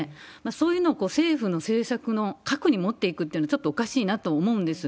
そういうのを政府の政策の核に持っていくというのは、ちょっとおかしいなと思うんです。